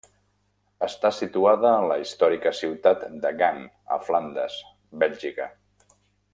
Està situada en la històrica ciutat de Gant a Flandes, Bèlgica.